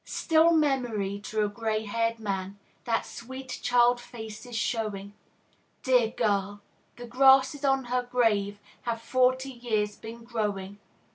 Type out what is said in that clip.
Still memory to a gray haired man That sweet child face is showing. Dear girl: the grasses on her grave Have forty years been growing!